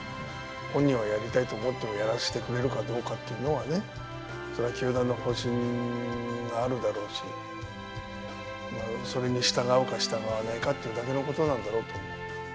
本人はやりたいと思っても、やらせてくれるかどうかというのは、それは球団の方針があるだろうし、それに従うか従わないかっていうことだけのことだと思う。